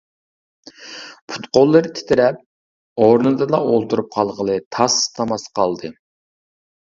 پۇت-قوللىرى تىترەپ، ئورنىدىلا ئولتۇرۇپ قالغىلى تاس-تاماس قالدى.